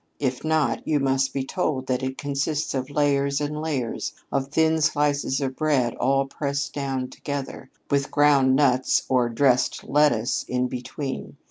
If not, you must be told that it consists of layers and layers of thin slices of bread all pressed down together, with ground nuts or dressed lettuce in between.